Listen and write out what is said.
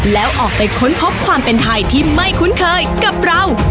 แล้วออกไปค้นพบความเป็นไทยที่ไม่คุ้นเคยกับเรา